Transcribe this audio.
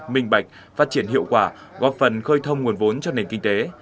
minh bạch phát triển hiệu quả góp phần khơi thông nguồn vốn cho nền kinh tế